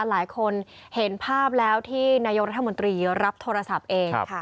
หลายคนเห็นภาพแล้วที่นายกรัฐมนตรีรับโทรศัพท์เองค่ะ